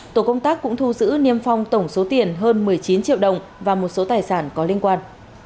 tổ công tác cũng thu giữ niêm phong tổng số tiền hơn một mươi chín triệu đồng và một số tài sản có liên quan